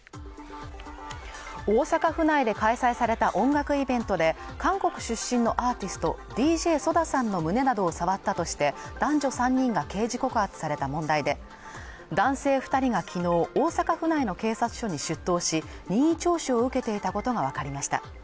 大阪府内で開催された音楽イベントで韓国出身のアーティストＤＪＳＯＤＡさんの胸などを触ったとして男女３人が刑事告発された問題で男性二人がきのう大阪府内の警察署に出頭し任意聴取を受けていたことが分かりました